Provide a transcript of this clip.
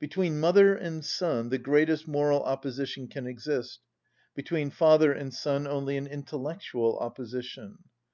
Between mother and son the greatest moral opposition can exist, between father and son only an intellectual opposition.